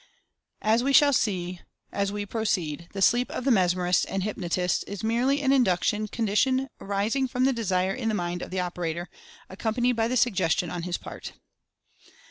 As we shall see as we proceed, the "sleep" of the Mesmerists and Hypnotists is merely an induced condition arising from the desire in the mind of the operator, accompanied by the Suggestion on his part.